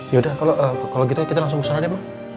yaudah kalau gitu kita langsung ke sana deh pak